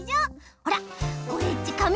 ほらオレっちかみ